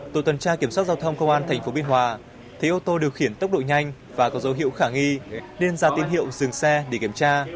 tổ tuần tra kiểm soát giao thông công an tp biên hòa thấy ô tô điều khiển tốc độ nhanh và có dấu hiệu khả nghi nên ra tín hiệu dừng xe để kiểm tra